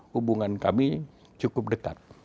hubungan kami cukup dekat